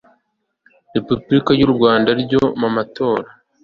repubulika y u rwanda ryo mumatora